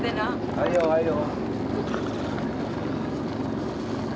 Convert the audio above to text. はいよはいよ。